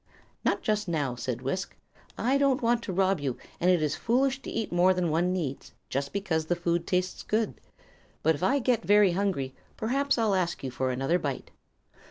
"Not just now," said Wisk. "I don't want to rob you, and it is foolish to eat more than one needs, just because the food tastes good. But if I get very hungry, perhaps I'll ask you for another bite."